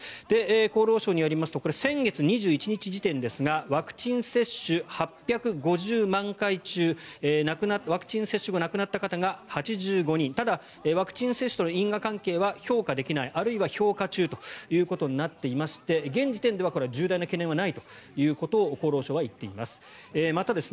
厚労省によりますとこれは先月２１日時点ですがワクチン接種８５０万回中ワクチン接種後亡くなった方は８５人ただ、ワクチン接種との因果関係は評価できないあるいは評価中ということになっていまして現時点では重大な懸念はないと厚労省は言っています。